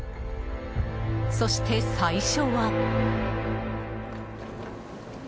そして、最初は。